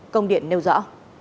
công điện nêu rõ